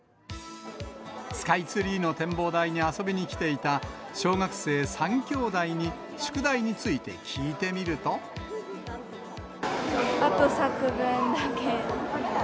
スカイツリーの展望台に遊びに来ていた小学生３きょうだいに、あと作文だけ。